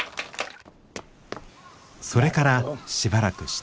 それからしばらくして。